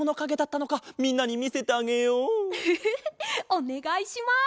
おねがいします！